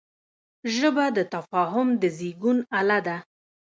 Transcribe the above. ژبه د تفاهم د زېږون اله ده